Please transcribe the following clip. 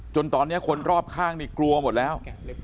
จนตอนนี้คนรอบข้างนี่กลัวหมดแล้ว